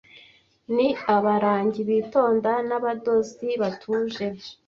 ni abarangi bitonda n'abadozi batuje